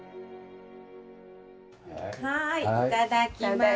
はいいただきます！